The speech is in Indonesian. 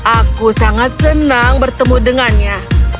aku sangat senang bertemu dengannya